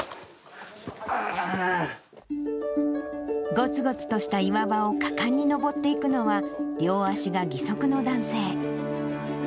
ごつごつとした岩場を果敢に登っていくのは、両足が義足の男性。